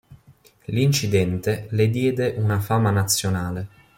L'incidente le diede una fama nazionale.